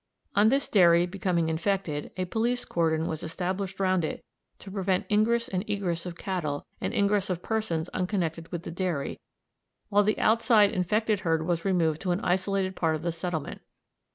On this dairy becoming infected a police cordon was established round it to prevent ingress and egress of cattle and ingress of persons unconnected with the dairy, while the outside infected herd was removed to an isolated part of the settlement.